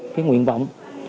cái nguyện vọng